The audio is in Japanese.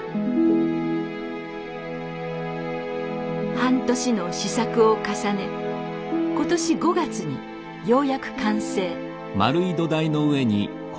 半年の試作を重ね今年５月にようやく完成。